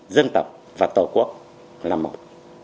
dân tộc và tổ quốc là một